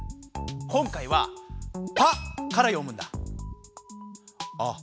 今回は「パ」から読むんだ。